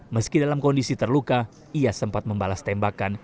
meski dalam kondisi terluka ia sempat membalas tembakan